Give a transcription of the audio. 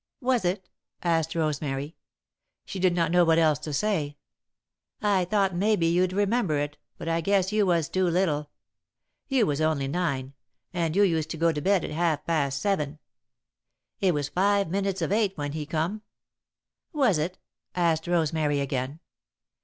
"Was it?" asked Rosemary. She did not know what else to say. "I thought maybe you'd remember it, but I guess you was too little. You was only nine, and you used to go to bed at half past seven. It was five minutes of eight when he come." [Sidenote: The Minister Asks to Call] "Was it?" asked Rosemary, again.